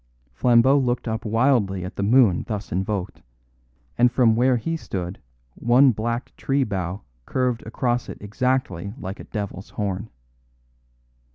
Flambeau looked up wildly at the moon thus invoked; and from where he stood one black tree bough curved across it exactly like a devil's horn.